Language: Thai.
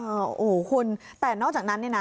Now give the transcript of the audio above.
โอ้โหคุณแต่นอกจากนั้นเนี่ยนะ